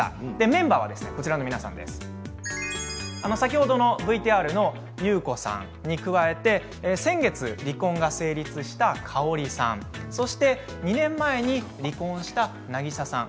メンバーは先ほどのＶＴＲのゆうこさんに加えて先月、離婚が成立したかおりさんそして２年前に離婚したなぎささん